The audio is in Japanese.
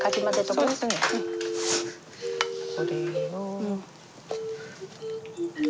これを。